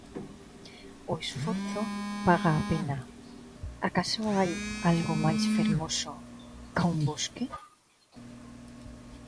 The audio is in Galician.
O esforzo paga a pena, acaso hai algo máis fermoso ca un bosque?